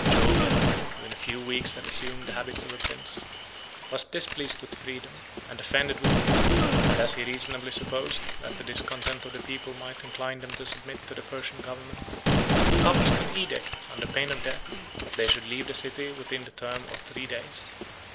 Jovian, who in a few weeks had assumed the habits of a prince, 124 was displeased with freedom, and offended with truth: and as he reasonably supposed, that the discontent of the people might incline them to submit to the Persian government, he published an edict, under pain of death, that they should leave the city within the term of three days.